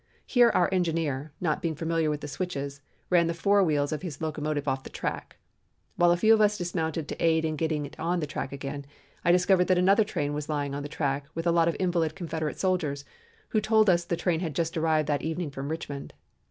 Here our engineer, not being familiar with the switches, ran the fore wheels of his locomotive off the track. While a few of us dismounted to aid in getting on the track again, I discovered that another train was lying on the track with a lot of invalid Confederate soldiers, who told us the train had just arrived that evening from Richmond.